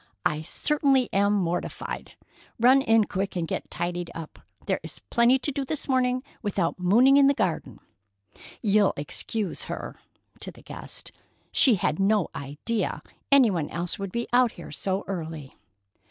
I certainly am mortified. Run in quick and get tidied up. There's plenty to do this morning, without mooning in the garden. You'll excuse her"—to the guest. "She had no idea any one else would be out here so early."